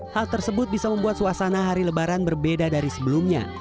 hal tersebut bisa membuat suasana hari lebaran berbeda dari sebelumnya